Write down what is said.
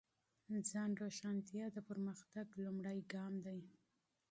ځان روښانتیا د پرمختګ لومړی ګام دی.